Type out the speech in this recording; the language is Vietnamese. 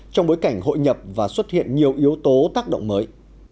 trong bối cảnh hội nhập và xuất hiện nhiều yếu tố tác động mới